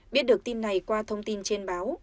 biết được tin này qua thông tin trên báo